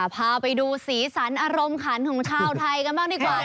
พาไปดูสีสันอารมณ์ขันของชาวไทยกันบ้างดีกว่า